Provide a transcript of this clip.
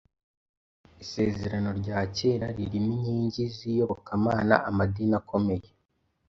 Isezerano rya kera ririmo inkingi z‟iyobokamana amadini akomeye